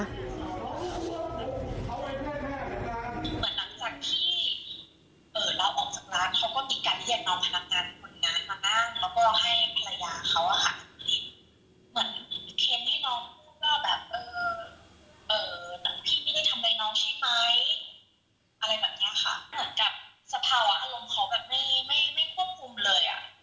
เหมือนกับสภาวะอารมณ์เขาไม่ควบคุมเลย